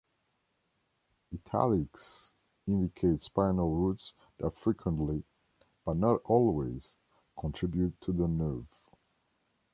"Italics" indicate spinal roots that frequently, but not always, contribute to the nerve.